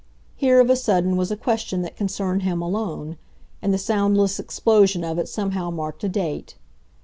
Here of a sudden was a question that concerned him alone, and the soundless explosion of it somehow marked a date.